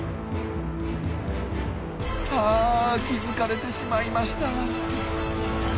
あ気付かれてしまいました。